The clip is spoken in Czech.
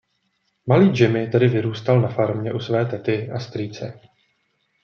Malý Jimmy tedy vyrůstal na farmě u své tety a strýce.